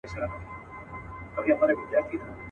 نه یې رنګ نه یې آواز چاته منلی.